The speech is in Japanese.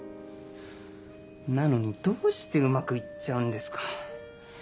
なのにどうしてうまく行っちゃうんですか。